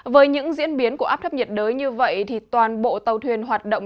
với những diễn biến của áp thấp nhiệt đới như vậy toàn bộ tàu thuyền hoạt động